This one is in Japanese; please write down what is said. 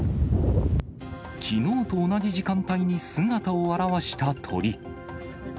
きのうと同じ時間帯に姿を現した鳥。